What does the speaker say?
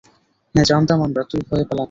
হ্যাঁ, জানতাম আমরা, তুই ভয়ে পালাবি।